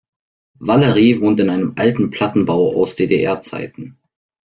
Valerie wohnt in einem alten Plattenbau aus DDR-Zeiten.